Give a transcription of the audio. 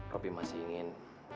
robi masih ingin